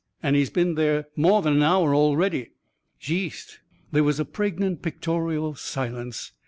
An' he's been there more than an hour already." "Jeest!" There was a pregnant, pictorial silence.